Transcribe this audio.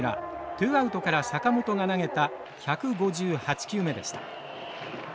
ツーアウトから坂本が投げた１５８球目でした。